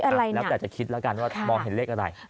อุ๊ยอะไรหน่อยแล้วแต่จะคิดแล้วกันว่ามองเห็นเลขอะไร